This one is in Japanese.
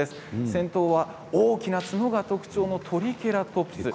先頭は大きな角が特徴のトリケラトプス。